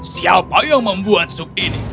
siapa yang membuat sup ini